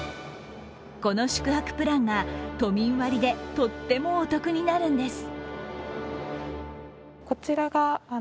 この宿泊プランが都民割でとってもお得になるんです。